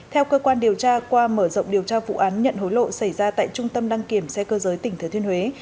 theo cơ quan điều tra qua mở rộng điều tra vụ án nhận hối lộ xảy ra tại trung tâm đăng kiểm xe cơ giới tỉnh thừa thuyên huế